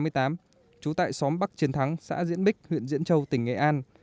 trú tại xóm bắc triển thắng xã diễn bích huyện diễn châu tỉnh nghệ an